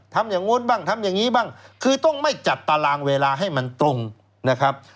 ทำอย่างนู้นบ้างทำอย่างนี้บ้างคือต้องไม่จัดตารางเวลาให้มันตรงนะครับ